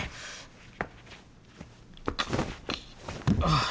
ああ。